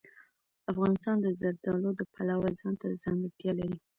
افغانستان د زردالو د پلوه ځانته ځانګړتیا لري.